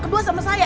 kedua sama saya